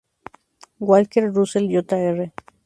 Walker Russell Jr.